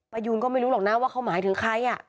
ยูนก็ไม่รู้หรอกนะว่าเขาหมายถึงใคร